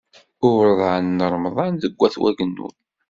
Uḍan n Remḍan deg Wat Wagennun.